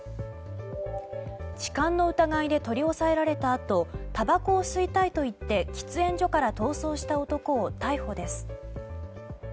置換の疑いで取り押さえられたあとたばこを吸いたいといって喫煙所から逃走した男を逮捕です。